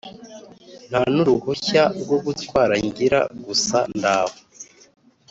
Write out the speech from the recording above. Nta nuruhushya rwogutwara ngira gusa ndaho